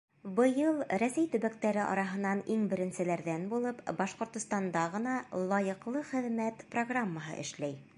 Быйыл Рәсәй төбәктәре араһынан иң беренселәрҙән булып Башҡортостанда ғына «Лайыҡлы хеҙмәт» программаһы эшләй.